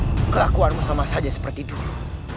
apa yang kau lakukan itu sama saja seperti dulu